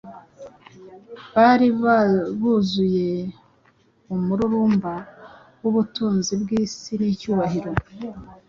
bari buzuye umururumba w’ubutunzi bw’isi n’ibyubahiro